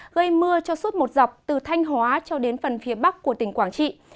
gây mưa cho suốt một dọc từ thanh hóa cho đến phần phía bắc của tỉnh quảng trị